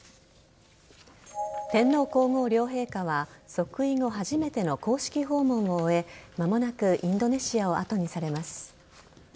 天皇皇后両陛下は即位後初めての公式訪問を終え間もなくインドネシアをあとにされます。